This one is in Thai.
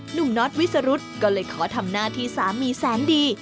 น็อตวิสรุธก็เลยขอทำหน้าที่สามีแสนดี